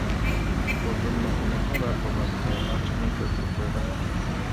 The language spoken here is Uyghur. خوتۇنىنىڭ ئۇنىڭدىن رازى بولماسلىقى ئاچچىقىنى كەلتۈرۈپ قويغان ئىدى.